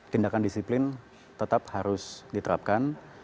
tindakan disiplin tetap harus diterapkan